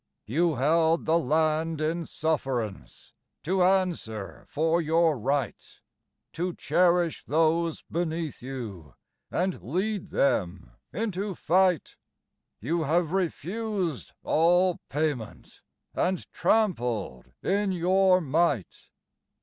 You held the land in sufferance to answer for your right, To cherish those beneath you and lead them into fight; You have refused all payment, and trampled in your might.